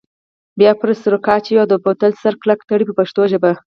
بیا پرې سرکه اچوئ او د بوتل سر کلک تړئ په پښتو ژبه.